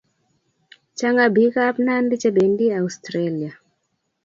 Change pik ab nandi chependi Australia